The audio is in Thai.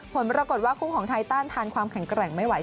ผลปรากฏว่าคู่ของไทยต้านทานความแข็งแกร่งไม่ไหว